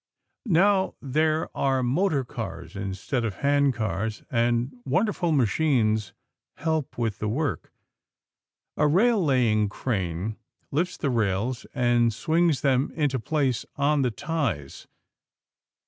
Now there are motor cars instead of handcars, and wonderful machines help with the work. A rail laying crane lifts the rails and swings them into place on the ties.